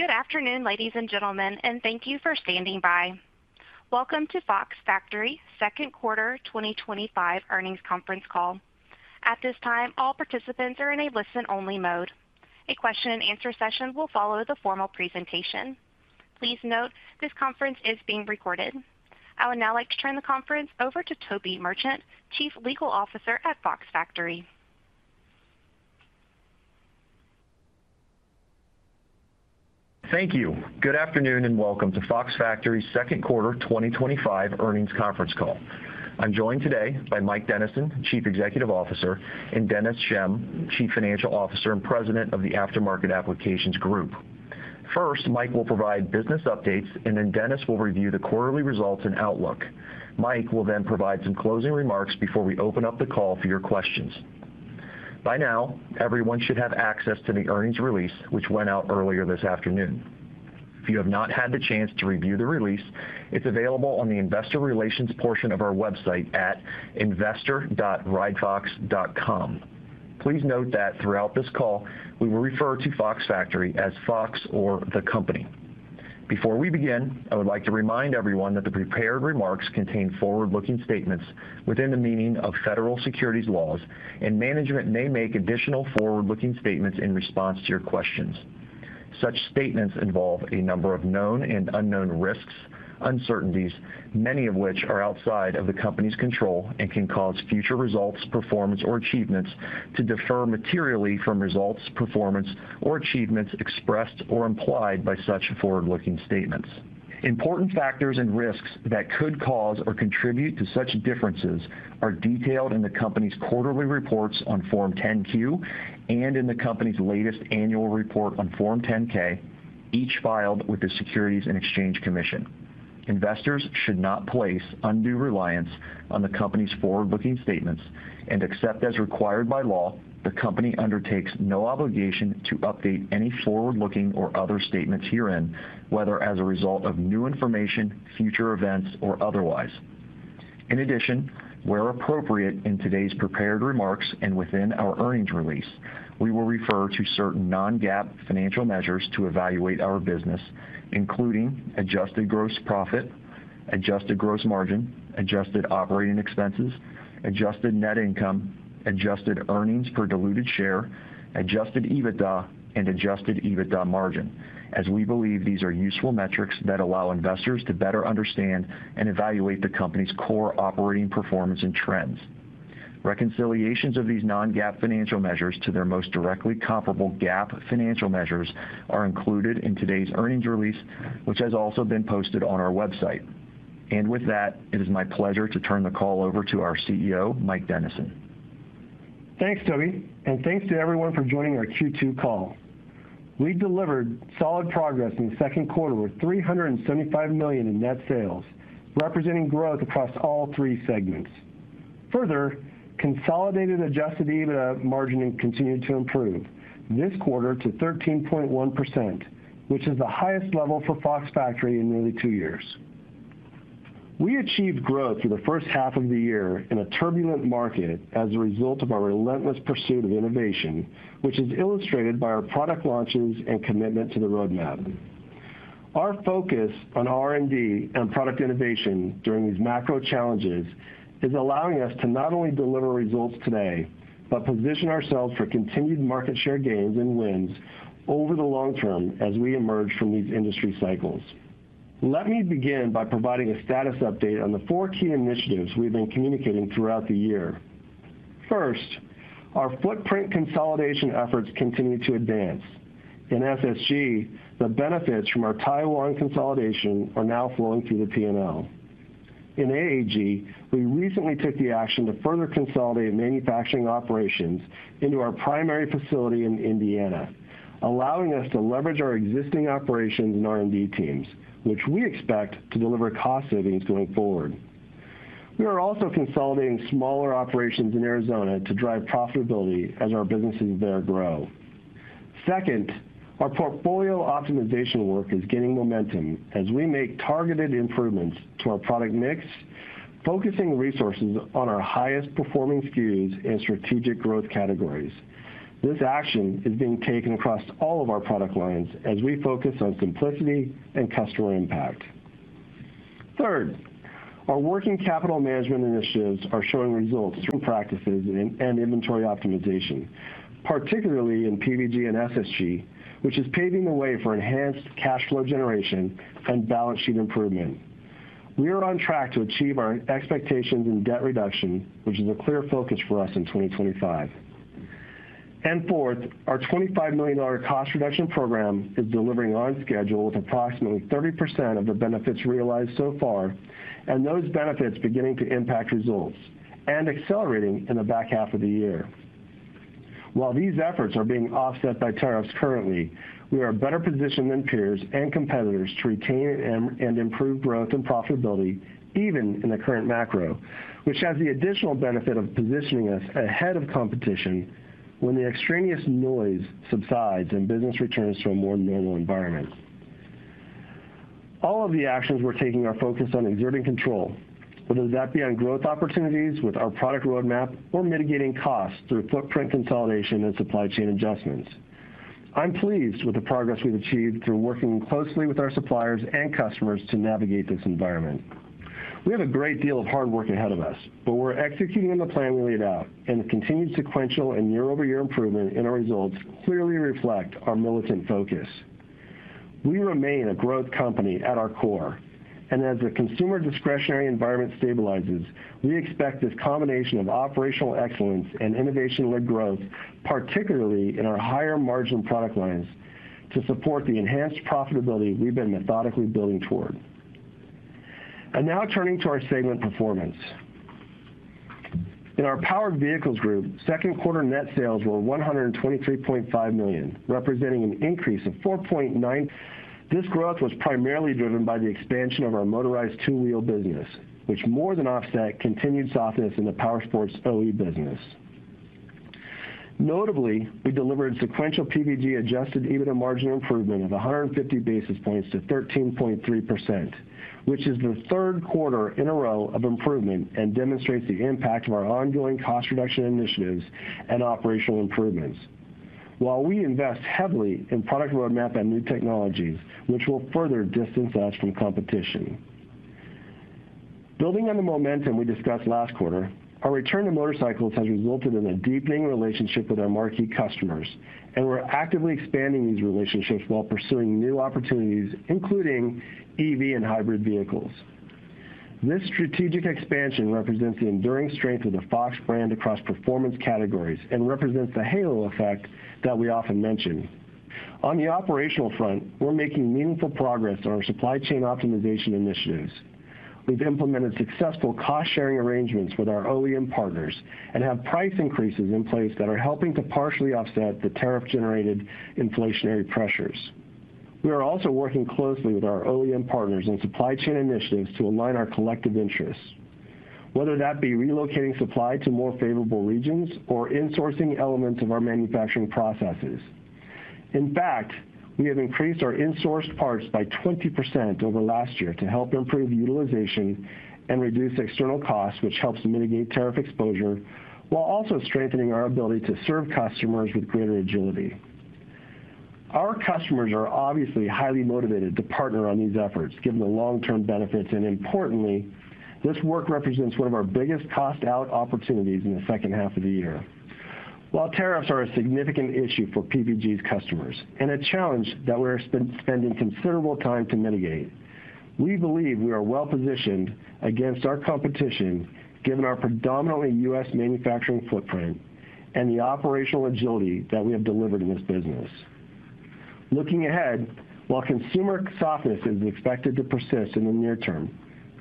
Good afternoon ladies and gentlemen, and thank you for standing by. Welcome to Fox Factory Second Quarter 2025 Earnings Conference Call. At this time, all participants are in a listen-only mode. A question-and-answer session will follow the formal presentation. Please note this conference is being recorded. I would now like to turn the conference over to Toby Merchant, Chief Legal Officer at Fox Factory. Thank you. Good afternoon and welcome to Fox Factory's Second Quarter 2025 Earnings Conference Call. I'm joined today by Mike Dennison, Chief Executive Officer, and Dennis Schemm, Chief Financial Officer Officer and President of the Aftermarket Applications Group. First, Mike will provide business updates, and then Dennis will review the quarterly results and outlook. Mike will then provide some closing remarks. Before we open up the call for your questions, by now everyone should have access to the earnings release which went out earlier this afternoon. If you have not had the chance to review the release, it's available on the Investor Relations portion of our website at investor.ridefox.com. Please note that throughout this call we will refer to Fox Factory as Fox or the Company. Before we begin, I would like to remind everyone that the prepared remarks contain forward-looking statements within the meaning of Federal Securities laws and management may make additional forward-looking statements in response to your questions. Such statements involve a number of known and unknown risks and uncertainties, many of which are outside of the Company's control and can cause future results, performance, or achievements to differ materially from results, performance, or achievements expressed or implied by such forward-looking statements. Important factors and risks that could cause or contribute to such differences are detailed in the Company's quarterly reports on Form 10-Q and in the Company's latest annual report on Form 10-K, each filed with the Securities and Exchange Commission. Investors should not place undue reliance on the Company's forward-looking statements and, except as required by law, the Company undertakes no obligation to update any forward-looking or other statements herein, whether as a result of new information, future events, or otherwise. In addition, where appropriate in today's prepared remarks and within our earnings release, we will refer to certain non-GAAP financial measures to evaluate our business, including Adjusted Gross Profit, Adjusted Gross Margin, Adjusted Operating Expenses, Adjusted Net Income, Adjusted Earnings per Diluted Share, Adjusted EBITDA, and Adjusted EBITDA Margin as we believe these are useful metrics that allow investors to better understand and evaluate the Company's core operating performance and trends. Reconciliations of these non-GAAP financial measures to their most directly comparable GAAP financial measures are included in today's earnings release, which has also been posted on our website. With that, it is my pleasure to turn the call over to our CEO, Mike Dennison. Thanks, Toby, and thanks to everyone for joining our Q2 call. We delivered solid progress in the second quarter with $375 million in net sales, representing growth across all three segments. Further, consolidated adjusted EBITDA margin continued to improve this quarter to 13.1%, which is the highest level for Fox Factory in nearly two years. We achieved growth for the first half of the year in a turbulent market as a result of our relentless pursuit of innovation, which is illustrated by our product launches and commitment to the roadmap. Our focus on R&D and product innovation during these macro challenges is allowing us to not only deliver results today, but position ourselves for continued market share gains and wins over the long term as we emerge from these industry cycles. Let me begin by providing a status update on the four key initiatives we've been communicating throughout the year. First, our footprint consolidation efforts continue to advance in SSG. The benefits from our Taiwan consolidation are now flowing through the P&L in AAG. We recently took the action to further consolidate manufacturing operations into our primary facility in Indiana, allowing us to leverage our existing operations and R&D teams, which we expect to deliver cost savings going forward. We are also consolidating smaller operations in Arizona to drive profitability as our businesses there grow. Second, our portfolio optimization work is gaining momentum as we make targeted improvements to our product mix, focusing resources on our highest performing SKUs and strategic growth categories. This action is being taken across all of our product lines as we focus on complexity and customer impact. Third, our working capital management initiatives are showing results through practices and inventory optimization, particularly in PVG and SSG, which is paving the way for enhanced cash flow generation and balance sheet improvement. We are on track to achieve our expectations in debt reduction, which is a clear focus for us in 2025. Fourth, our $25 million cost reduction program is delivering on schedule, with approximately 30% of the benefits realized so far and those benefits beginning to impact results and accelerating in the back half of the year. While these efforts are being offset by tariffs, currently we are better positioned than peers and competitors to retain and improve growth and profitability even in the current macro, which has the additional benefit of positioning us ahead of competition when the extraneous noise subsides and business returns to a more normal environment. All of the actions we're taking are focused on exerting control, whether that be on growth opportunities with our product roadmap or mitigating costs through footprint consolidation and supply chain adjustments. I'm pleased with the progress we've achieved through working closely with our suppliers and customers to navigate this environment. We have a great deal of hard work ahead of us, but we're executing on the plan we laid out and the continued sequential and year over year improvement in our results clearly reflect our militant focus. We remain a growth company at our core and as the consumer discretionary environment stabilizes, we expect this combination of operational excellence and innovation led growth, particularly in our higher margin product lines, to support the enhanced profitability we've been methodically building toward. Now turning to our segment performance. In our Powered Vehicles Group, second quarter net sales were $123.5 million, representing an increase of 4.9%. This growth was primarily driven by the expansion of our motorized two wheel business, which more than offset continued softness in the Powersports OEM business. Notably, we delivered sequential PVG adjusted EBITDA margin improvement of 150 basis points to 13.3%, which is the third quarter in a row of improvement and demonstrates the impact of our ongoing cost reduction initiatives and operational improvements. While we invest heavily in product roadmap and new technologies, which will further distance us from competition. Building on the momentum we discussed last quarter, our return to motorcycles has resulted in a deepening relationship with our marquee customers and we're actively expanding these relationships while pursuing new opportunities, including EV and hybrid vehicles. This strategic expansion represents the enduring strength of the Fox brand across performance categories and represents the halo effect that we often mention. On the operational front, we're making meaningful progress on our supply chain optimization initiatives. We've implemented successful cost sharing arrangements with our OEM partners and have price increases in place that are helping to partially offset the tariff-generated inflationary pressures. We are also working closely with our OEM partners in supply chain initiatives to align our collective interests, whether that be relocating supply to more favorable regions or insourcing elements of our manufacturing processes. In fact, we have increased our insourced parts by 20% over last year to help improve utilization and reduce external costs, which helps mitigate tariff exposure while also strengthening our ability to serve customers with greater agility. Our customers are obviously highly motivated to partner on these efforts given the long-term benefits, and importantly, this work represents one of our biggest cost-out opportunities in the second half of the year. While tariffs are a significant issue for PVG's customers and a challenge that we're spending considerable time to mitigate, we believe we are well positioned against our competition given our predominantly U.S. manufacturing footprint and the operational agility that we have delivered in this business. Looking ahead, while consumer softness is expected to persist in the near term,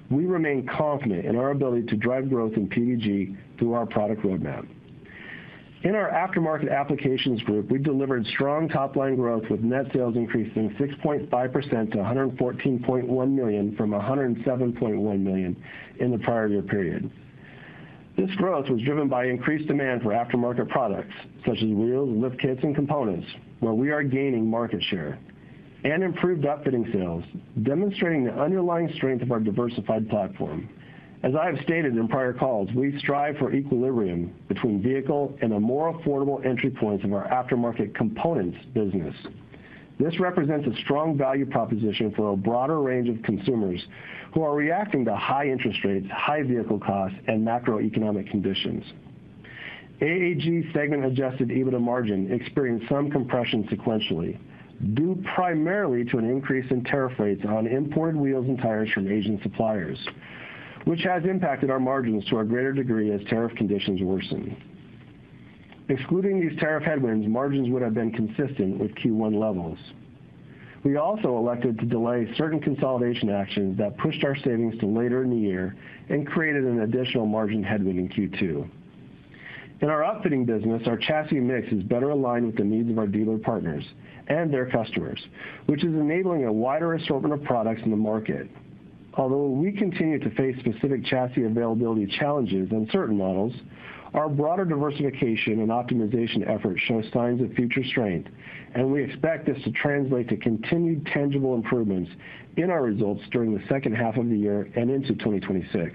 we remain confident in our ability to drive growth in PVG through our product roadmap. In our Aftermarket Applications Group, we delivered strong top-line growth with net sales increasing 6.5% to $114.1 million from $107.1 million in the prior year period. This growth was driven by increased demand for aftermarket products such as wheels, lift kits, and components where we are gaining market share, and improved upfitting sales, demonstrating the underlying strength of our diversified platform. As I have stated in prior calls, we strive for equilibrium between vehicle and the more affordable entry points of our aftermarket components business. This represents a strong value proposition for a broader range of consumers who are reacting to high interest rates, high vehicle costs, and macroeconomic conditions. AAG segment adjusted EBITDA margin experienced some compression sequentially due primarily to an increase in tariff rates on imported wheels and tires from Asian suppliers, which has impacted our margins to a greater degree as tariff conditions worsen. Excluding these tariff headwinds, margins would have been consistent with Q1 levels. We also elected to delay certain consolidation actions that pushed our savings to later in the year and created an additional margin headwind in Q2. In our upfitting business, our chassis mix is better aligned with the needs of our dealer partners and their customers, which is enabling a wider assortment of products in the market. Although we continue to face specific chassis availability challenges in certain models, our broader diversification and optimization efforts show signs of future strength, and we expect this to translate to continued tangible improvements in our results during the second half of the year and into 2026.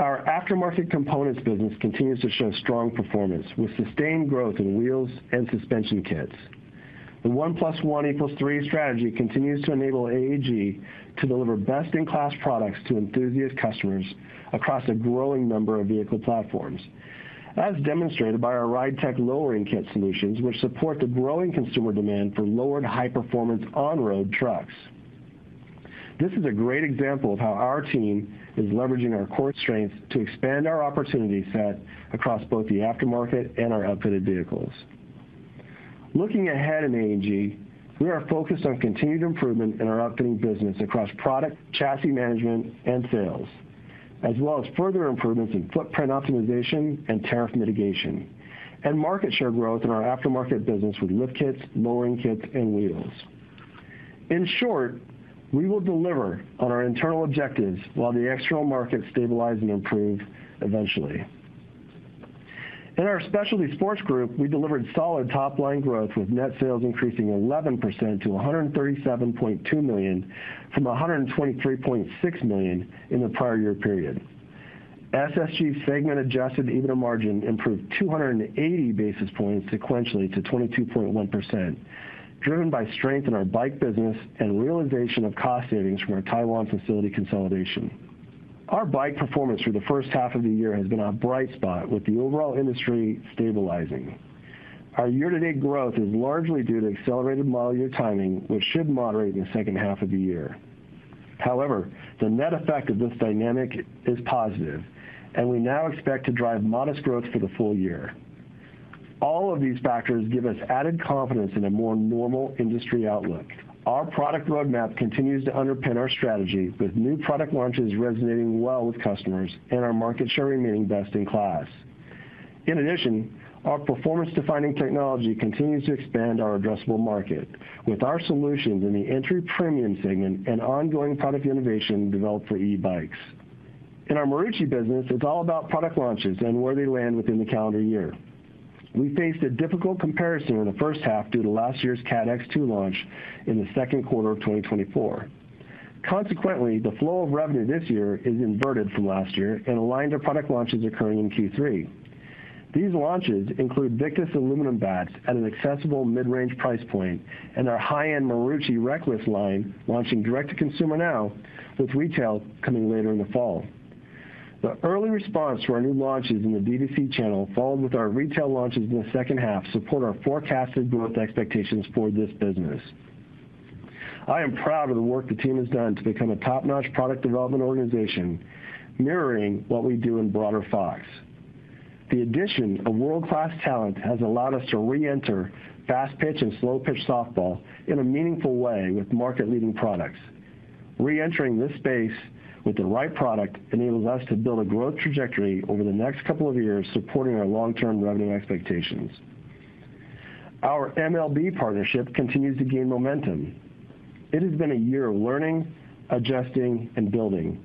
Our aftermarket applications business continues to show strong performance with sustained growth in wheels and suspension kits. The 1+1 = 3 strategy continues to enable AAG to deliver best-in-class products to enthusiast customers across a growing number of vehicle platforms, as demonstrated by our Ride Tech lowering kit solutions, which support the growing consumer demand for lowered high-performance on-road trucks. This is a great example of how our team is leveraging our core strength to expand our opportunity set across both the aftermarket and our upfitted vehicles. Looking ahead, we are focused on continued improvement in our upcoming business across product chassis management and sales, as well as further improvements in footprint optimization and tariff mitigation, and market share growth in our aftermarket business with lift kits, lowering kits, and wheels. In short, we will deliver on our internal objectives while the external markets stabilize and improve eventually. In our Specialty Sports Group, we delivered solid top-line growth with net sales increasing 11% to $137.2 million from $123.6 million in the prior year period. SSG segment adjusted EBITDA margin improved 280 basis points sequentially to 22.1%, driven by strength in our bike business and realization of cost savings from our Taiwan facility consolidation. Our bike performance for the first half of the year has been a bright spot with the overall industry stabilizing. Our year-to-date growth is largely due to accelerated model year timing, which should moderate in the second half of the year. However, the net effect of this dynamic is positive, and we now expect to drive modest growth for the full year. All of these factors give us added confidence in a more normal industry outlook. Our product roadmap continues to underpin our strategy with new product launches resonating well with customers and our market share remaining best in class. In addition, our performance-defining technology continues to expand our addressable market with our solutions in the entry premium segment and ongoing product innovation developed for eBikes. In our Marucci business, it's all about product launches and where they land within the calendar year. We faced a difficult comparison in the first half due to last year's catx2 launch in the second quarter of 2023. Consequently, the flow of revenue this year is inverted from last year and aligned with our product launches occurring in Q3. These launches include Victus aluminum bats at an accessible mid-range price point and our high-end Marucci [Reclus] line launching direct to consumer now with retail coming later in the fall. The early response to our new launches in the DTC channel followed with our retail launches in the second half support our forecasted growth expectations for this business. I am proud of the work the team has done to become a top-notch product development organization mirroring what we do in broader Fox. The addition of world-class talent has allowed us to re-enter fast pitch and slow pitch softball in a meaningful way with market-leading products. Reentering this space with the right product enables us to build a growth trajectory over the next couple of years supporting our long-term revenue expectations. Our MLB partnership continues to gain momentum. It has been a year of learning, adjusting, and building.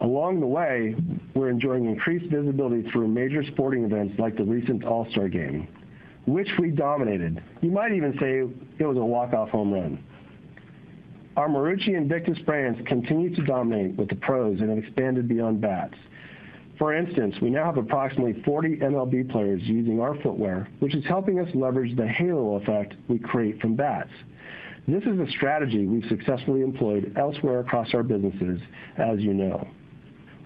Along the way, we're enjoying increased visibility through major sporting events like the recent All-Star Game, which we dominated. You might even say it was a walk-off home run. Our Marucci and Victus brands continue to dominate with the pros and have expanded beyond bats. For instance, we now have approximately 40 MLB players using our footwear, which is helping us leverage the halo effect we create from bats. This is a strategy we've successfully employed elsewhere across our businesses. As you know,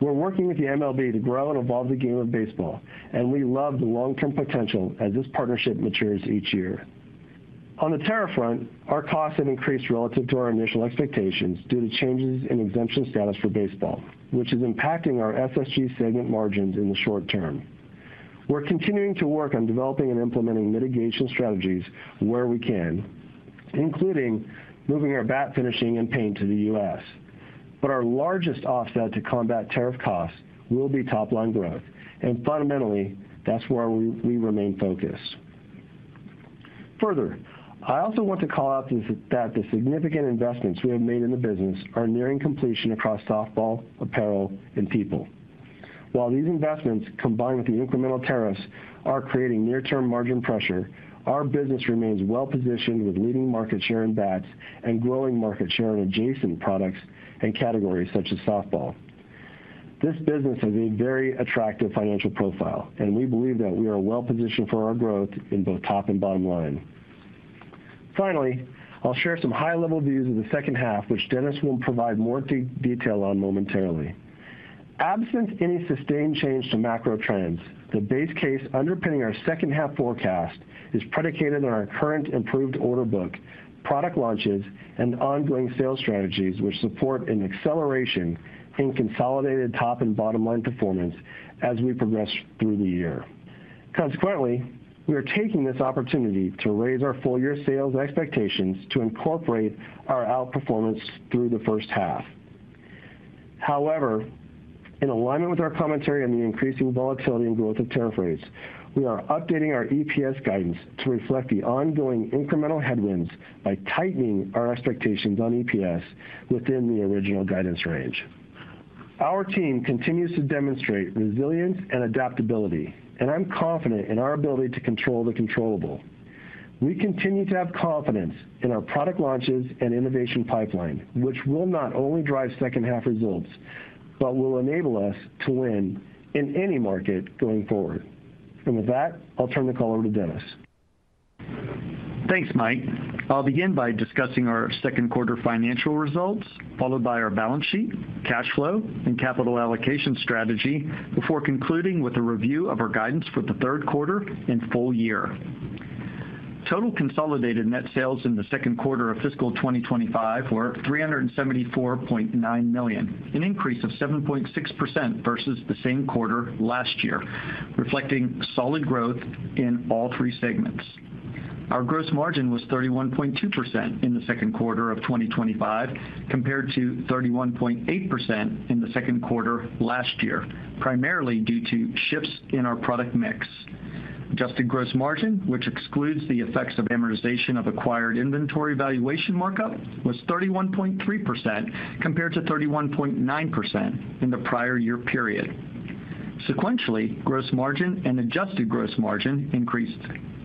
we're working with the MLB to grow and evolve the game of baseball, and we love the long-term potential as this partnership matures each year. On the tariff front, our costs have increased relative to our initial expectations due to changes in exemption status for baseball, which is impacting our SSG segment margins in the short term. We're continuing to work on developing and implementing mitigation strategies where we can, including moving our bat finishing and paint to the U.S., but our largest offset to combat tariff costs will be top line growth, and fundamentally that's where we remain focused. Further, I also want to call out the significant investments we have made in the business are nearing completion. Softball, apparel, and people. While these investments combined with the incremental tariffs are creating near term margin pressure, our business remains well positioned with leading market share in bats and growing market share in adjacent products and categories such as softball. This business has a very attractive financial profile, and we believe that we are well positioned for our growth in both top and bottom line. Finally, I'll share some high level views of the second half, which Dennis will provide more detail on momentarily. Absent any sustained change to macro trends, the base case underpinning our second half forecast is predicated on our current improved order book, product launches, and ongoing sales strategies, which support an acceleration in consolidated top and bottom line performance as we progress through the year. Consequently, we are taking this opportunity to raise our full year sales expectations to incorporate our outperformance through the first half. However, in alignment with our commentary on the increasing volatility and growth of tariff rates, we are updating our EPS guidance to reflect the ongoing incremental headwinds. By tightening our expectations on EPS within the original guidance range. Our team continues to demonstrate resilience and adaptability, and I'm confident in our ability to control the controllable. We continue to have confidence in our product launches and innovation pipeline, which will not only drive second half results, but will enable us to win in any market going forward. With that, I'll turn the call over to Dennis. Thanks Mike. I'll begin by discussing our second quarter financial results, followed by our balance sheet, cash flow, and capital allocation strategy before concluding with a review of our guidance for the third quarter and full year. Total consolidated net sales in the second quarter of fiscal 2025 were $374.9 million, an increase of 7.6% versus the same quarter last year, reflecting solid growth in all three segments. Our gross margin was 31.2% in the second quarter of 2025 compared to 31.8% in the second quarter last year, primarily due to shifts in our product mix. Adjusted gross margin, which excludes the effects of amortization of acquired inventory valuation markup, was 31.3% compared to 31.9% in the prior year period. Sequentially, gross margin and adjusted gross margin increased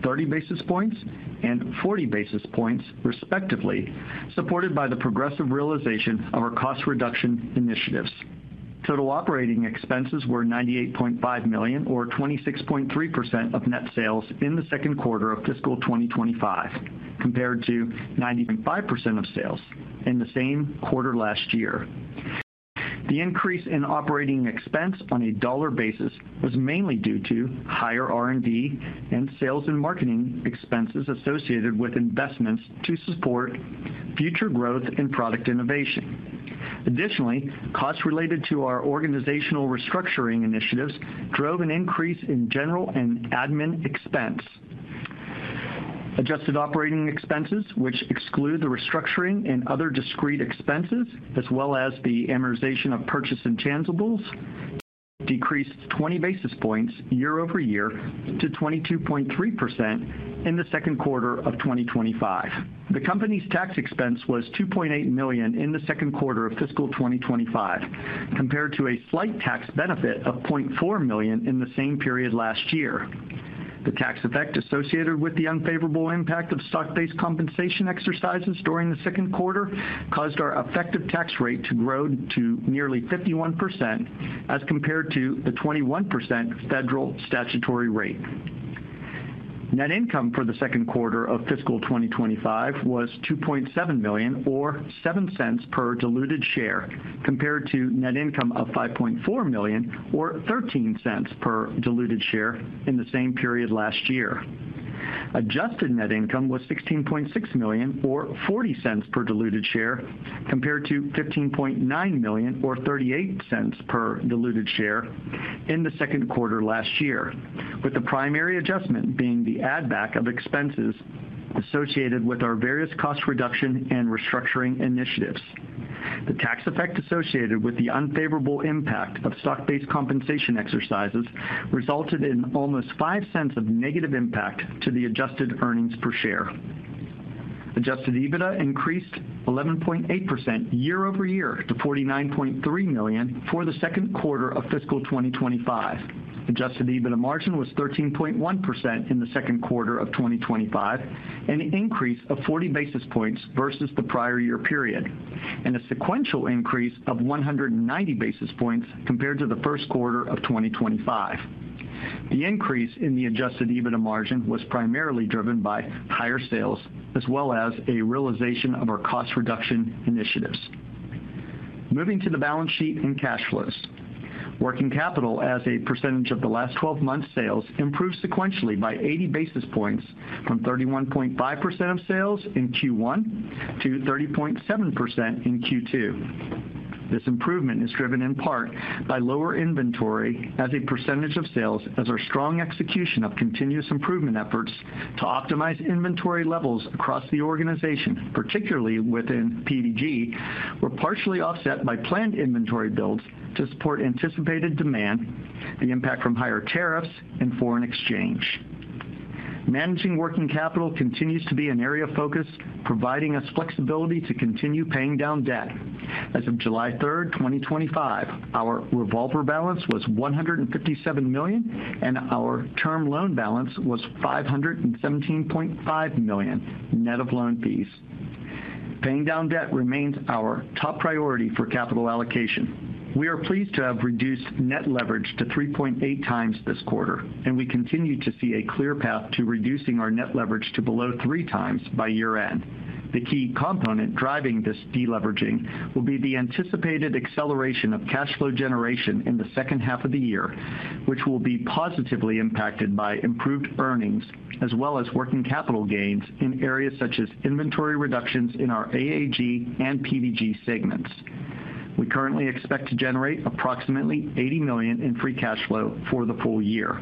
30 basis points and 40 basis points, respectively, supported by the progressive realization of our cost reduction initiatives. Total operating expenses were $98.5 million, or 26.3% of net sales in the second quarter of fiscal 2025, compared to 26.3% of sales in the same quarter last year. The increase in operating expense on a dollar basis was mainly due to higher R&D and sales and marketing expenses associated with investments to support future growth in product innovation. Additionally, costs related to our organizational restructuring initiatives drove an increase in general and administrative expense. Adjusted operating expenses, which exclude the restructuring and other discrete expenses as well as the amortization of purchase intangibles, decreased 20 basis points year-over-year to 22.3% in the second quarter of 2025. The company's tax expense was $2.8 million in the second quarter of fiscal 2025 compared to a slight tax benefit of $0.4 million in the same period last year. The tax effect associated with the unfavorable impact of stock-based compensation exercises during the second quarter caused our effective tax rate to grow to nearly 51% as compared to the 21% federal statutory rate. Net income for the second quarter of fiscal 2025 was $2.7 million, or $0.07 per diluted share, compared to net income of $5.4 million, or $0.13 per diluted share, in the same period last year. Adjusted net income was $16.6 million, or $0.40 per diluted share, compared to $15.9 million, or $0.38 per diluted share, in the second quarter last year, with the primary adjustment being the add back of expenses associated with our various cost reduction and restructuring initiatives. The tax effect associated with the unfavorable impact of stock-based compensation exercises resulted in almost $0.05 of negative impact to the adjusted earnings per share. Adjusted EBITDA increased 11.8% year-over-year to $49.3 million for the second quarter of fiscal 2025. Adjusted EBITDA margin was 13.1% in the second quarter of 2025, an increase of 40 basis points versus the prior year period and a sequential increase of 190 basis points compared to the first quarter of 2025. The increase in the adjusted EBITDA margin was primarily driven by higher sales as well as a realization of our cost reduction initiatives. Moving to the balance sheet and cash flows, working capital as a percentage of the last 12 months' sales improved sequentially by 80 basis points from 31.5% of sales in Q1 to 30.7% in Q2. This improvement is driven in part by lower inventory as a percentage of sales, as our strong execution of continuous improvement efforts to optimize inventory levels across the organization, particularly within PVG, were partially offset by planned inventory builds to support anticipated demand. The impact from higher tariffs and foreign exchange. Managing working capital continues to be an area of focus, providing us flexibility to continue paying down debt. As of July 3rd, 2025, our revolver balance was $157 million and our term loan balance was $517,000 net of loan fees. Paying down debt remains our top priority for capital allocation. We are pleased to have reduced net leverage to 3.8x this quarter and we continue to see a clear path to reducing our net leverage to below three times by year end. The key component driving this deleveraging will be the anticipated acceleration of cash flow generation in the second half of the year, which will be positively impacted by improved earnings as well as working capital gains in areas such as inventory reductions in our AAG and PVG segments. We currently expect to generate approximately $80 million in free cash flow for the full year.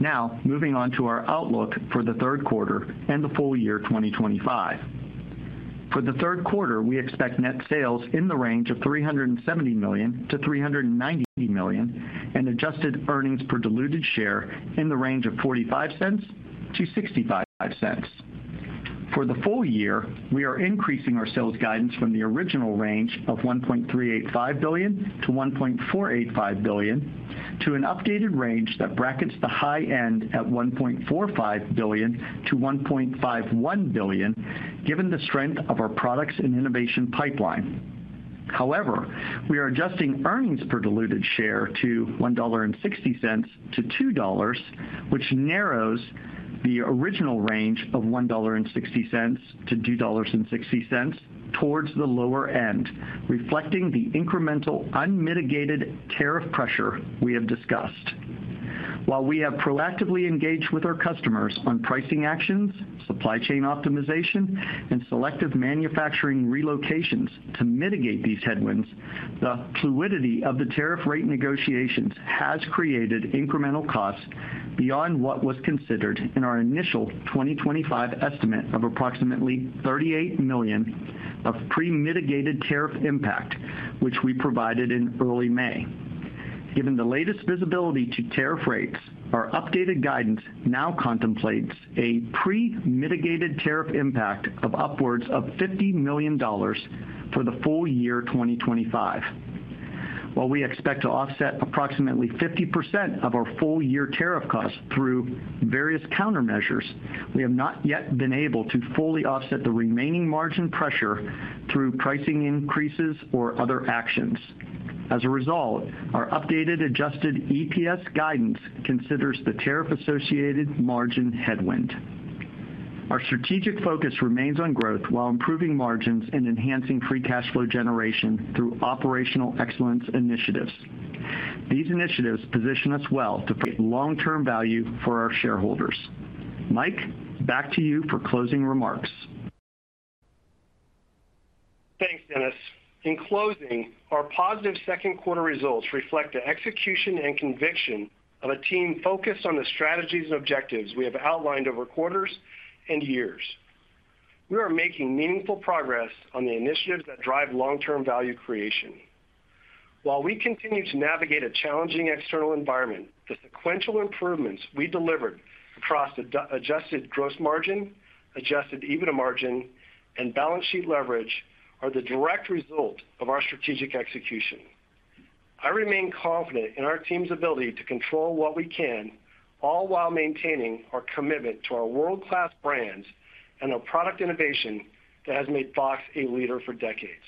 Now, moving on to our outlook for the third quarter and the full year 2025. For the third quarter, we expect net sales in the range of $370 million-$390 million and adjusted earnings per diluted share in the range of $0.45-$0.65. For the full year, we are increasing our sales guidance from the original range of $1.385 billion-$1.485 billion to an updated range that brackets the high end at $1.45 billion-$1.51 billion. Given the strength of our products and innovation pipeline, however, we are adjusting earnings per diluted share to $1.60--$2.00, which narrows the original range of $1.60-$2.60 towards the lower end, reflecting the incremental unmitigated tariff pressure we have discussed. While we have proactively engaged with our customers on pricing actions, supply chain optimization, and selective manufacturing relocations to mitigate these headwinds, the fluidity of the tariff rate negotiations has created incremental costs beyond what was considered in our initial 2020 estimate of approximately $38 million of pre-mitigated tariff impact, which we provided in early May. Given the latest visibility to tariff rates, our updated guidance now contemplates a pre-mitigated tariff impact of upwards of $50 million for the full year 2025. While we expect to offset approximately 50% of our full year tariff costs through various countermeasures, we have not yet been able to fully offset the remaining margin pressure through pricing increases or other actions. As a result, our updated adjusted EPS guidance considers the tariff-associated margin headwind. Our strategic focus remains on growth while improving margins and enhancing free cash flow generation through operational excellence initiatives. These initiatives position us well to create long-term value for our shareholders. Mike, back to you for closing remarks. Thanks, Dennis. In closing, our positive second quarter results reflect the execution and conviction of a team focused on the strategies and objectives we have outlined over quarters and years. We are making meaningful progress on the. Initiatives that drive long-term value creation. While we continue to navigate a challenging external environment, the sequential improvements we delivered across adjusted gross margin, adjusted EBITDA margin, and balance sheet leverage are the direct result of our strategic execution. I remain confident in our team's ability to control what we can, all while maintaining our commitment to our world-class brands and our product innovation that has made Fox a leader for decades.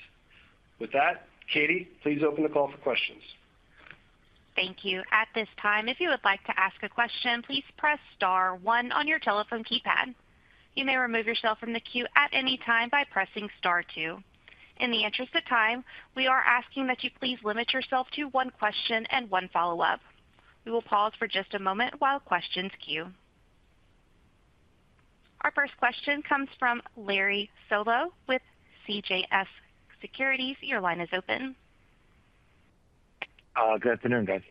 With that, Katie, please open the call for questions. Thank you. At this time, if you would like to ask a question, please press star one on your telephone keypad. You may remove yourself from the queue at any time by pressing star two. In the interest of time, we are asking that you please limit yourself to one question and one follow-up. We will pause for just a moment while questions queue. Our first question comes from Larry Solow with CJS Securities. Your line is open. Good afternoon, guys.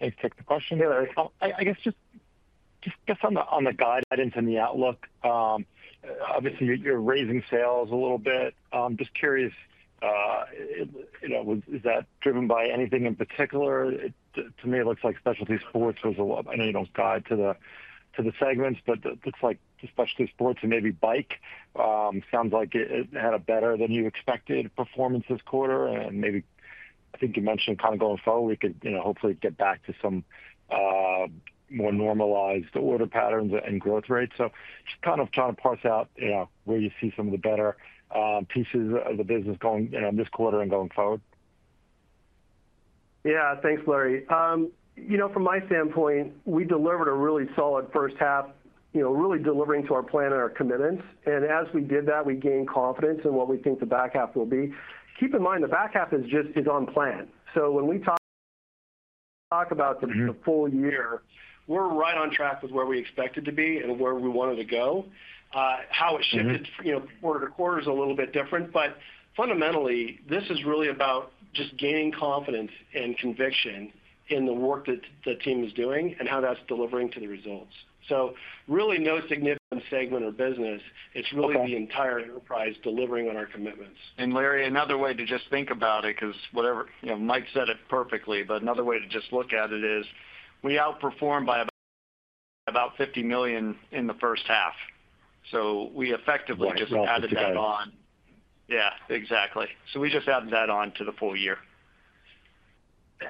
Thanks for the question, Larry. I guess just on the guidance and the outlook, obviously you're raising sales a little bit. Just curious. Is that driven by anything in particular? To me it looks like Specialty Sports was a lot. I know you don't guide to the segments, but looks like Specialty Sports and maybe bike sounds like it had a better than you expected performance this quarter. I think you mentioned kind. Going forward, we could hopefully get back to some more normalized order patterns and growth rates. I'm just kind of trying to parse. Where you see some of the better pieces of the business going this quarter and going forward. Yeah, thanks Larry. You know, from my standpoint, we delivered a really solid first half, really delivering to our plan and our commitments. As we did that, we gained confidence in what we think the back half will be. Keep in mind the back half is just on plan. When we talk about the full. Year, we're right on track with where we expected to be and where we wanted to go. How it shifted quarter to quarter is a little bit different, but fundamentally this is really about just gaining confidence and conviction in the work that the team is doing and how that's delivering to the results. Really no significant segment or business, it's really the entire enterprise delivering on our commitments. Larry, another way to just think about it, because whatever, Mike said it perfectly, but another way to just look at it is we outperformed by about $50 million in the first half. We effectively just added that on. Yeah, exactly. We just added that on to the full year.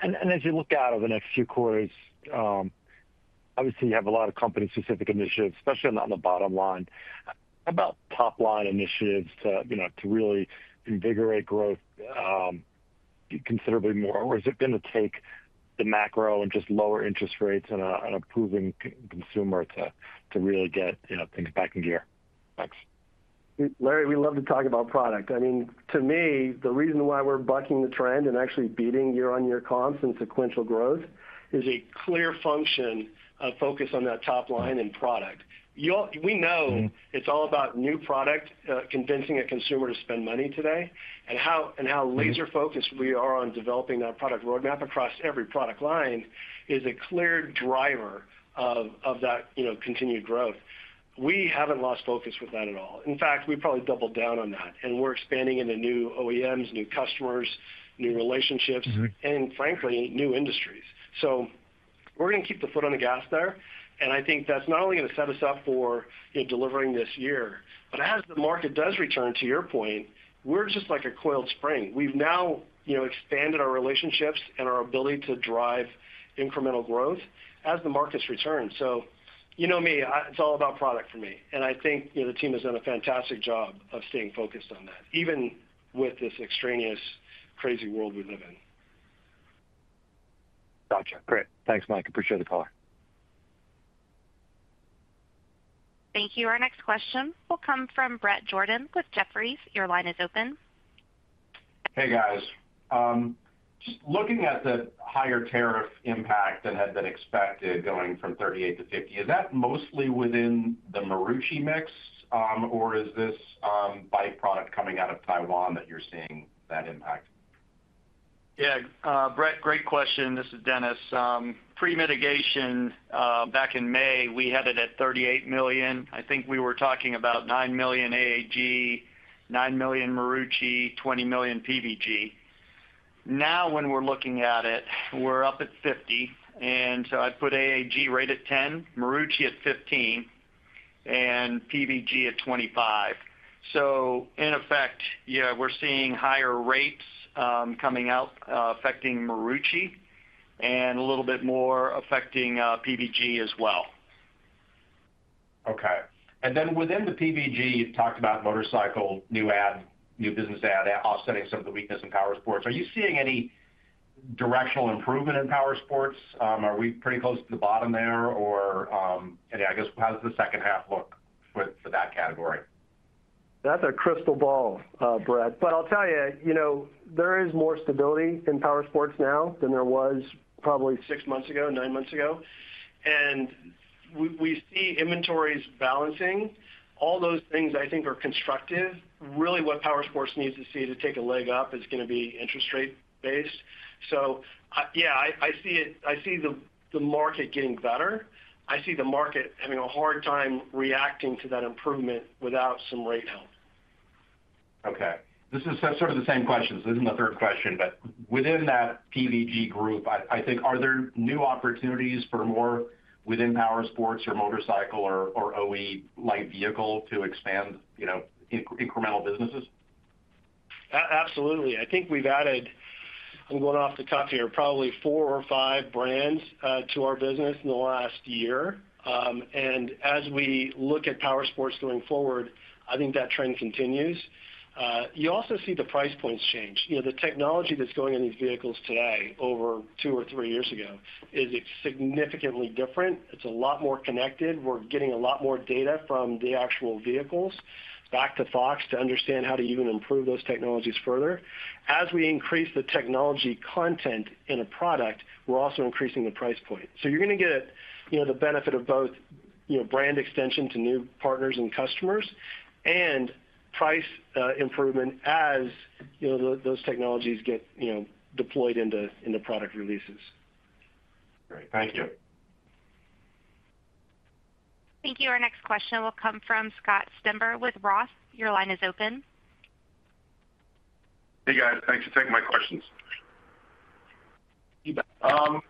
As you look out over the next few quarters, obviously you have a lot of company specific initiatives, especially on the bottom line. How about top line initiatives to really. Invigorate growth considerably more? Is it going to take the macro and just lower interest rates and an improving consumer to really get things back in gear? Thanks, Larry. We love to talk about product. I mean, to me the reason why we're bucking the trend and actually beating year on year comps and sequential growth. is a clear function of focus on that top line and product. We know it's all about new product, convincing a consumer to spend money today, and how laser focused we are on developing our product roadmap across every product line is a clear driver of that continued growth. We haven't lost focus with that at all. In fact, we probably doubled down on that, and we're expanding into new OEMs, new customers, new relationships, and frankly, new industries. We are going to keep the foot on the gas there. I think that's not only going to set us up for delivering this year, but as the market does return to your point, we're just like a coiled spring. We've now expanded our relationships and our ability to drive incremental growth as the markets return. You know me, it's all about product for me. I think the team has done a fantastic job of staying focused on that, even with this extraneous crazy world we live in. Gotcha. Great. Thanks, Mike. Appreciate the color. Thank you. Our next question will come from Bret Jordan with Jefferies. Your line is open. Hey guys, looking at the higher tariff impact than had been expected going from 38 to 50, is that mostly within the Marucci mix or is this bike product coming out of Taiwan that you're seeing that impact? Yeah, Bret, great question. This is Dennis. Pre-mitigated, back in May, we had it at $38 million. I think we were talking about $9 million AAG, $9 million Marucci, $20 million PVG. Now when we're looking at it, we're up at $50 million. I put AAG right at $10 million, Marucci at $15 million, and PVG at $25 million. In effect, yeah, we're seeing higher rates coming out affecting Marucci and a little bit more affecting PVG as well. Okay, and then within the PVG you talked about motorcycle, new add, new business add offsetting sort of the weakness of Powersports. Are you seeing any directional improvement in Powersports? Are we pretty close to the bottom there or any, I guess, how does the second half look for that category? That's a crystal ball, Brett. I'll tell you, you know, there is more stability in Powersports now. There was probably six months ago, nine months ago. We see inventories balancing. All those things I think are constructive. Really what Powersports needs to see to take a leg up is going to be interest rate based. I see the market getting better. I see the market having a hard time reacting to that improvement without some rate help. This is sort of the same question. This is my third question, but within that PVG group, I think, are there new opportunities for more within Powersports or motorcycle or OE light vehicle to expand, you know, incremental businesses? Absolutely. I think we've added, I'm going off the cuff here, probably four or five brands to our business in the last year. As we look at Powersports going forward, I think that trend continues. You also see the price points change. The technology that's going on in these vehicles today, over two or three years ago, is significantly different. It's a lot more connected. We're getting a lot more data from the actual vehicles back to Fox to understand how to even improve those technologies. Further, as we increase the technology content in a product, we're also increasing the price point. You're going to get the benefit of both brand extension to new partners and customers and price improvement as those technologies get deployed into product releases. Great, thank you. Thank you. Our next question will come from Scott Stember with Roth. Your line is open. Hey guys, thanks for taking my questions. On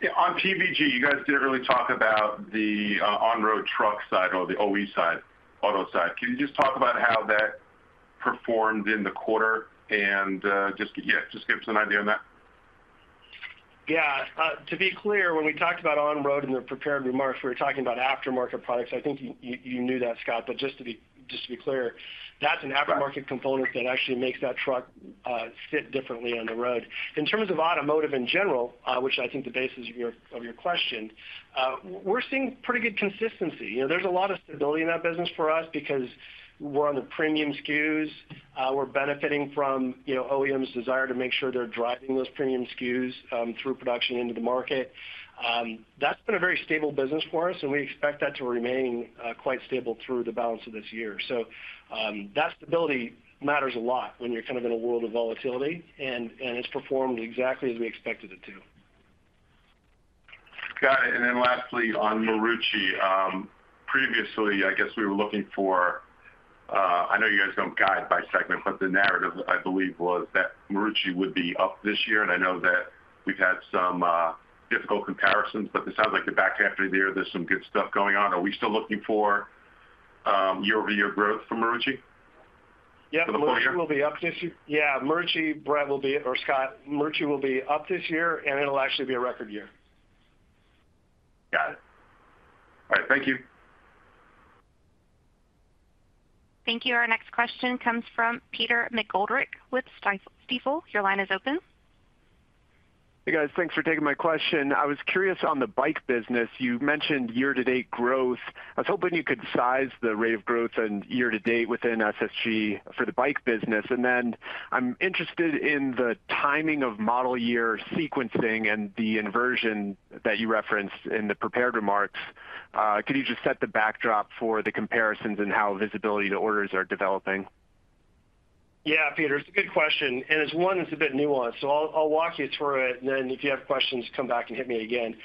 TBG you guys didn't really talk about the on-road truck side or the OE side, auto side. Can you just talk about how that performed in the quarter, and just, yeah, just give us an idea on that? Yeah. To be clear, when we talked about on road in the prepared remarks, we were talking about aftermarket products. I think you knew that, Scott. Just to be clear, that's an aftermarket component that actually makes that truck sit differently on the road. In terms of automotive in general, which I think is the basis of your question, we're seeing pretty good consistency. There's a lot of stability in that business for us because we're on the premium SKUs. We're benefiting from OEM's desire to make sure they're driving those premium SKUs through production into the market. That's been a very stable business for us, and we expect that to remain quite stable through the balance of this year. That stability matters a lot when you're kind of in a world of volatility, and it's performed exactly as we expected it to. Got it. Lastly, on Marucci, previously, I guess we were looking for. I know you guys don't guide by segment, but the narrative, I believe, was that Marucci would be up this year. I know that we've had some difficult comparisons, but it sounds like the back half of the year there's some good stuff going on. Are we still looking for year-over-year growth for Marucci? Yeah, we'll be up this year. Yeah, Marucci, Bret will be, or Scott, Marucci will be up this year and it'll actually be a record year. Got it. All right, thank you. Thank you. Our next question comes from Peter McGoldrick with Stifel. Your line is open. Hey, guys, thanks for taking my question. I was curious on the bike business, you mentioned year to date growth. I was hoping you could size the rate of growth and year to date within SSG for the bike business. I'm interested in the timing of model year sequencing and the inversion that you referenced in the prepared remarks. Could you just set the backdrop for the comparisons and how visibility to orders are developing? Yeah, Peter, it's a good question and it's one that's a bit nuanced. I'll walk you through it and then if you have questions, come back and hit me again.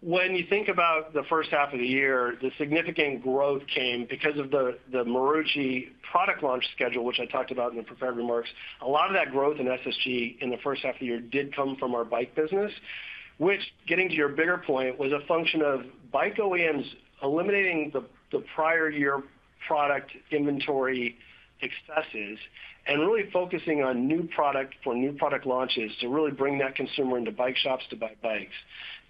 When you think about the first half of the year, the significant growth came because of the Marucci product launch schedule, which I talked about in the prepared remarks. A lot of that growth in SSG in the first half of the year did come from our bike business, which, getting to your bigger point, was a function of bike OEMs eliminating the prior year product inventory successes and really focusing on new product for new product launches to really bring that consumer into bike shops to buy bikes.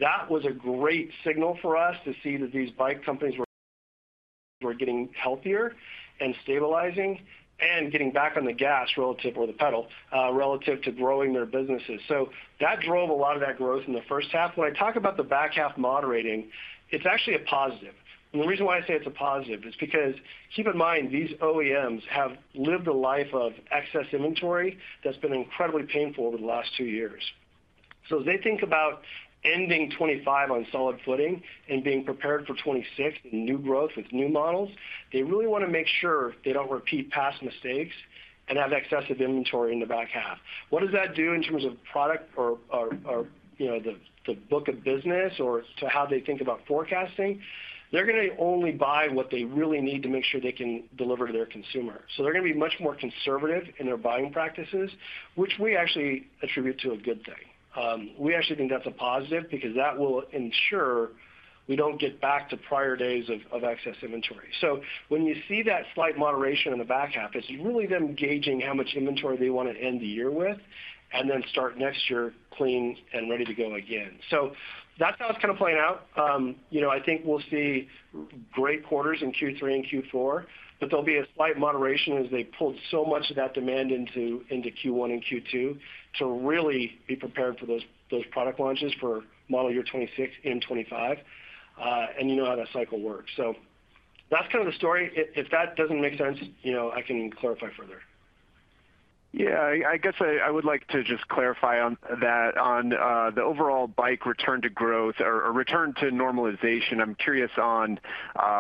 That was a great signal for us to see that these bike companies were getting healthier and stabilizing and getting back on the gas relative or the pedal relative to growing their businesses. That drove a lot of that growth in the first half. When I talk about the back half moderating, it's actually a positive. The reason why I say it's a positive is because keep in mind these OEMs have lived a life of excess inventory that's been incredibly painful over the last two years. As they think about ending 2025 on solid footing and being prepared for 2026 and new growth with new models. They really want to make sure they don't repeat past mistakes and have excessive inventory in the back half. What does that do in terms of product or the book of business or to how they think about forecasting? They're going to only buy what they really need to make sure they can deliver to their consumer. They're going to be much more conservative in their buying practices, which we actually attribute to a good thing. We actually think that's a positive because that will ensure we don't get back to prior days of excess inventory. When you see that slight moderation in the back half, it's really them gauging how much inventory they wanted to end the year with and then start next year clean and ready to go again. That's how it's kind of playing out. I think we'll see great quarters in Q3 and Q4, but there'll be a slight moderation as they pulled so much of that demand into Q1 and Q2 to really be prepared for those product launches for model year 2026 and 2025. You know how that cycle works. That's kind of the story. If that doesn't make sense, I can clarify for you. Yeah, I guess I would like to just clarify on that. On the overall bike return to growth or return to normalization. I'm curious on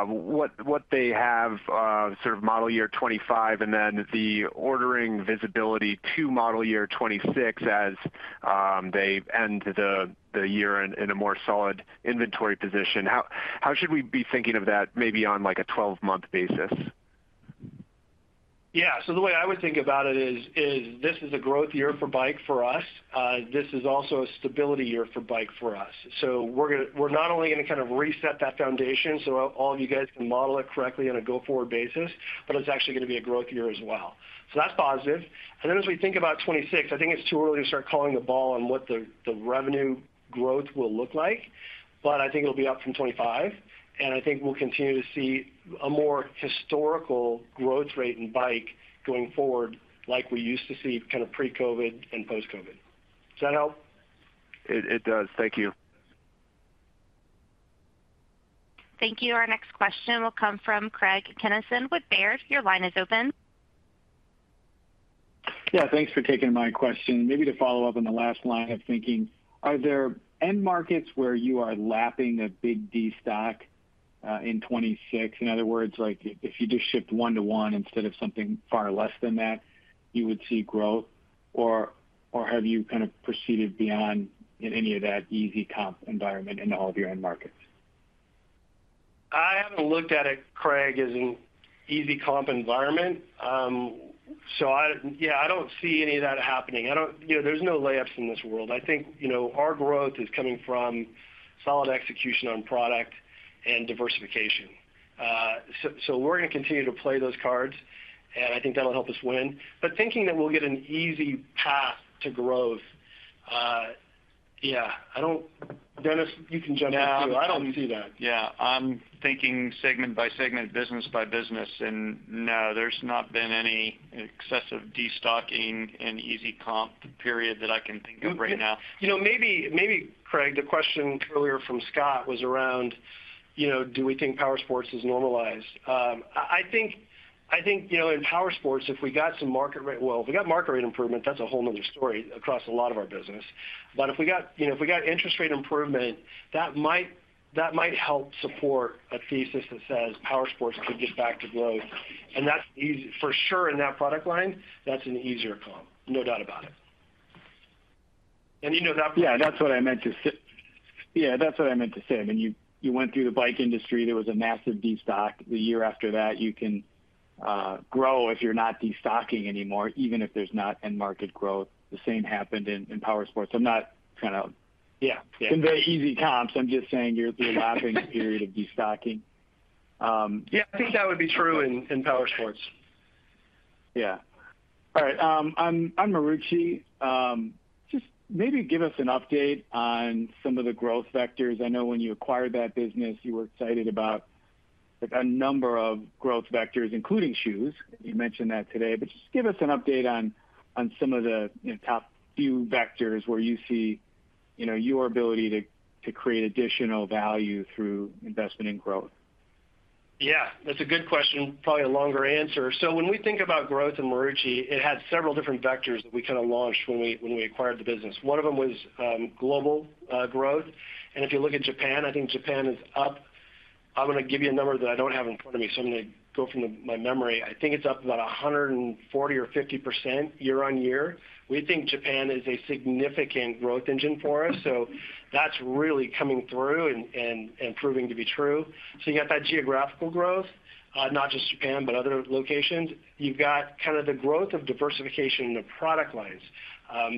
what they have modeled. Year 2025 and then the ordering visibility to model year 2026 as they end. The year in a more solid inventory position. How should we be thinking of that maybe on a 12-month basis? The way I would think about it is this is a growth year for Bike for us. This is also a stability year for Bike for us. We're not only going to kind of reset that foundation so all of you guys can model it correctly on a go forward basis, but it's actually going to be a growth year as well. That's positive. As we think about 2026, I think it's too early to start calling the ball on what the revenue growth will look like, but I think it'll be up from 2025. I think we'll continue to see a more historical growth rate in Bike going forward like we used to see kind of pre-Covid and post-Covid. Does that help? It does. Thank you. Thank you. Our next question will come from Craig Kennison with Baird. Your line is open. Yeah, thanks for taking my question. Maybe to follow up on the last line of thinking. Are there end markets where you are lapping a big destock in 2026? In other words, if you just shipped one-to-one instead of something far less than that, you would see growth, or have you proceeded beyond in any of that easy comp environment in all of your end markets? I haven't looked at it, Craig, as an easy comp environment. I don't see any of that happening. There's no layups in this world. I think our growth is coming, solid execution on product and diversification. We're going to continue to play those cards and I think that'll help us win. Thinking that we'll get an easy path to growth, yeah, I don't. Dennis, you can jump. I don't see that. I'm thinking segment by segment, business by business. No, there's not been any excessive destocking and easy comp period that I can think of right now. Maybe, maybe Craig, the question earlier from Scott was around, do we think Powersports is normalized? I think in Powersports, if we got some market rate. If we got market rate improvement, that's a whole other story across a lot of our business. If we got interest rate improvement, that might help support a thesis that says Powersports could get back to growth for sure in that product line. That's an easier place long. No doubt about it. You know that. Yeah, that's what I meant to say. I mean, you went through the bike industry. There was a massive destock the year after that. You can grow if you're not destocking anymore, even if there's not end market growth. The same happened in Powersports. I'm not kind of. Yeah, some very easy comps. I'm just saying you're lapping a period of destocking. Yeah, I think that would be true in Powersports. Yeah. All right. I'm Marucci. Maybe give us an update on. Some of the growth vectors. I know when you acquired that business you were excited about a number of growth vectors, including shoes. You mentioned that today. Just give us an update on some of the top few vectors where. You see your ability to create additional. Value through investment in growth. Yeah, that's a good question. Probably a longer answer. When we think about growth in Marucci, it had several different vectors that we kind of launched when we acquired the business. One of them was global growth. If you look at Japan, I think Japan is up. I'm going to give you a number that I don't have in front of me. I'm going to go from my memory, I think it's up about 140 or 150% year-on-year. We think Japan is a significant growth engine for us. That's really coming through and proving to be true. You have that geographical growth, not just Japan, but other locations. You've got kind of the growth of diversification in the product lines.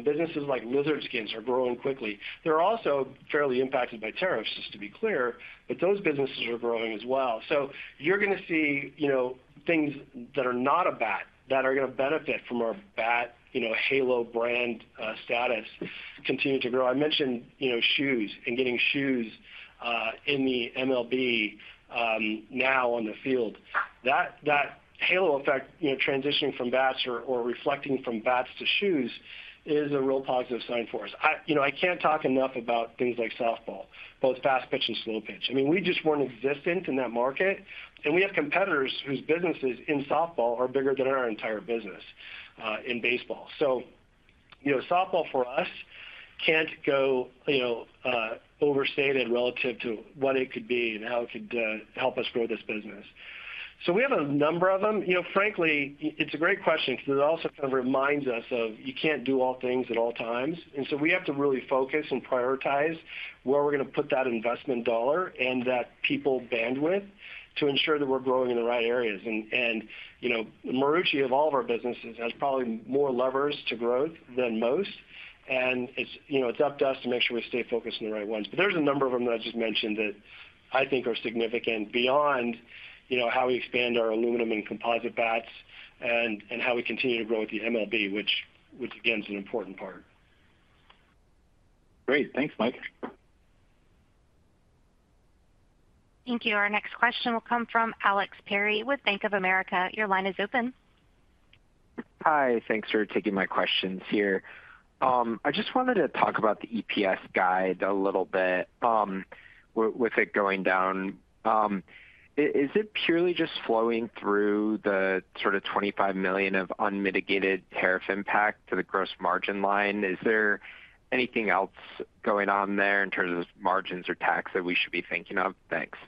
Businesses like Lizard Skins are growing quickly. They're also fairly impacted by tariffs, just to be clear. Those businesses are growing as well. You're going to see things that are not a bat, that are going to benefit from our bat halo brand status continue to grow. I mentioned shoes and getting shoes in the MLB now on the field, that halo effect, transitioning from bats or reflecting from bats to shoes is a real positive sign for us. I can't talk enough about things like softball, both fast pitch and slow pitch. We just weren't existent in that market and we have competitors whose businesses in softball are bigger than our entire business in baseball. Softball for us can't go overstated relative to what it could be and how it could help us grow this business. We have a number of them. Frankly, it's a great question because it also reminds us you can't do all things at all times. We have to really focus and prioritize where we're going to put that investment dollar and that people bandwidth to ensure that we're growing in the right areas. Marucci of all of our businesses has probably more levers to growth than most and it's up to us to make sure we stay focused on the right ones. There's a number of them that I just mentioned that I think are significant beyond how we expand our aluminum and composite bats and how we continue to grow with the MLB, which again is an important part. Great, thanks. Mike. Thank you. Our next question will come from Alex Perry with Bank of America. Your line is open. Hi. Thanks for taking my questions here. I just wanted to talk about the EPS guide a little bit. With it going down, is it purely just flowing through the sort of $25 million of unmitigated tariff impact to the gross margin line? Is there anything else going on there in terms of margins or tax that we should be thinking of? Thanks.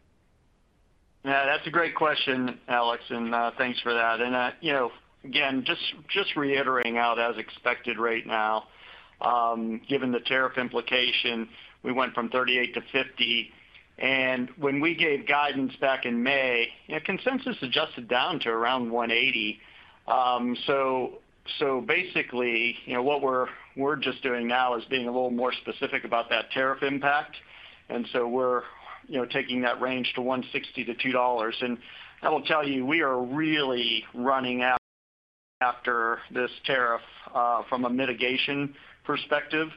That's a great question, Alex, and thanks for that. Just reiterating out as expected right now, given the tariff implication, we went from $0.38 to $0.50 and when we gave guidance back in May, consensus adjusted down to around $1.80. Basically, what we're just doing now is being a little more specific about that tariff impact. We're taking that range to $1.60-$2. I will tell you, we are really running out after this tariff from a mitigation perspective.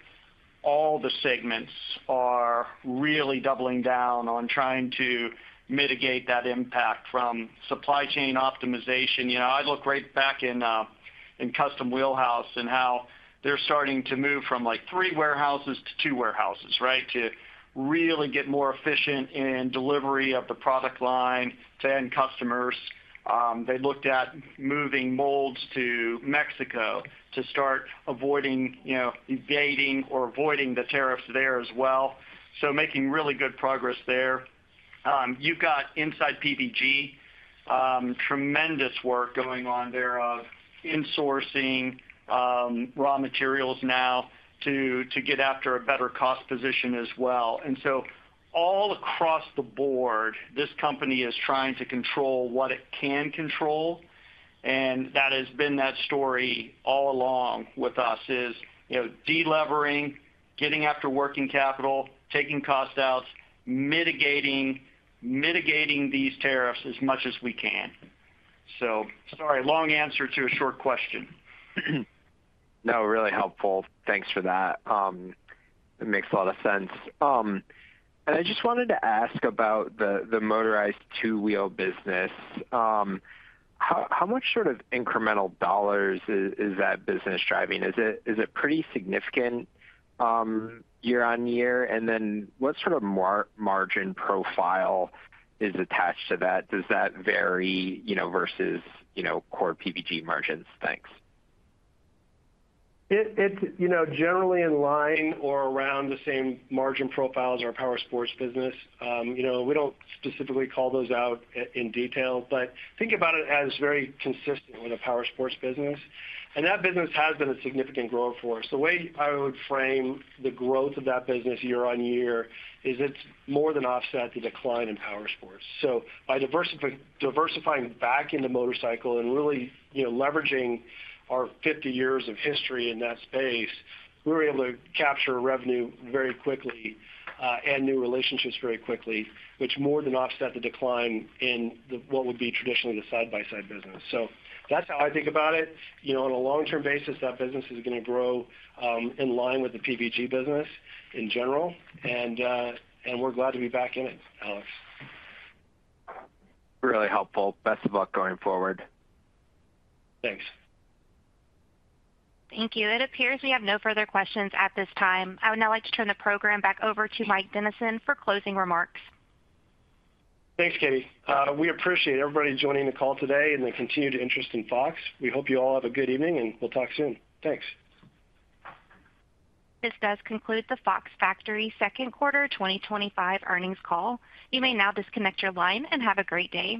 All the segments are really doubling down on trying to mitigate that impact from supply chain optimization. I look right back in custom wheelhouse. They’re starting to move from like three warehouses to two warehouses. Right. To really get more efficient in delivery of the product line to end customers. They looked at moving molds to Mexico. To start avoiding the tariffs there as well. Making really good progress there. You've got inside PVG, tremendous work going on there, insourcing raw materials now to get after a better cost position as well. All across the board this company is trying to control what it can control. That has been that story all along with us: deleveraging, getting after working capital, taking cost outs, mitigating these tariffs as much as we can. Sorry, long answer to a short question. No, really helpful. Thanks for that. It makes a lot of sense. I just wanted to ask about the motorized two wheel business, how much sort of incremental dollars is that business driving? Is it pretty significant year-on-year? What sort of margin profile is attached to that? Does that vary versus core PVG margins? Thanks. It's generally in line or around the same margin profile as our Powersports Business. We don't specifically call those out in detail, but think about it as very consistent with a Powersports Business, and that business has been a significant growth for us. The way I would frame the growth of that business year-on-year is it more than offset the decline in Powersports. By diversifying back into motorcycle and really leveraging our 50 years of history in that space, we were able to capture revenue very quickly and new relationships very quickly, which more than offset the decline in what would be traditionally the side by side business. That's how I think about it on a long term basis. That business is going to grow in line with the PVG business in general, and we're glad to be back in it. Alex. Really helpful. Best of luck going forward. Thanks. Thank you. It appears we have no further questions at this time. I would now like to turn the program back over to Mike Dennison for closing remarks. Thanks, Katie. We appreciate everybody joining the call today and the continued interest in Fox Factory Holding Corp. We hope you all have a good evening and we'll talk soon. Thanks. This does conclude the Fox Factory Second Quarter 2025 Earnings Call. You may now disconnect your line and have a great day.